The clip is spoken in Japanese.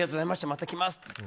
また来ますって。